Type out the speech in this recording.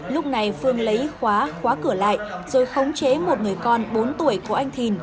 lúc này phương lấy khóa khóa cửa lại rồi khống chế một người con bốn tuổi của anh thìn